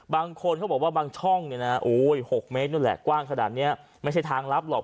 บางคนเขาบอกว่าบางช่องเนี่ยนะ๖เมตรนู้นแหละกว้างขนาดนี้ไม่ใช่ทางลับหรอก